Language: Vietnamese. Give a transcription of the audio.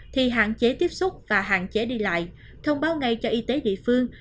thì hạn chế tiếp xúc và hạn chế đi lại thông báo ngay cho y tế địa phương